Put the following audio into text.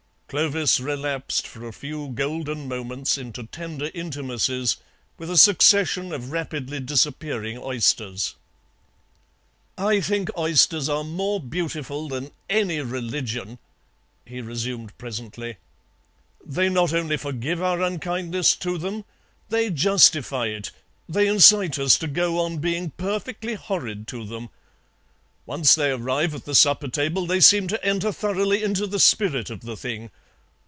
Clovis relapsed for a few golden moments into tender intimacies with a succession of rapidly disappearing oysters. "I think oysters are more beautiful than any religion," he resumed presently. "They not only forgive our unkindness to them; they justify it, they incite us to go on being perfectly horrid to them. Once they arrive at the supper table they seem to enter thoroughly into the spirit of the thing.